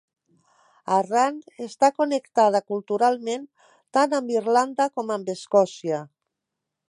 Arran està connectada culturalment tant amb Irlanda com amb Escòcia.